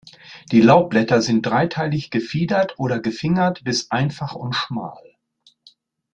Die Laubblätter sind dreiteilig gefiedert oder gefingert bis einfach und schmal.